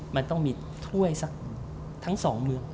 มันต้องมีถ้วยสักทั้งสองเมือง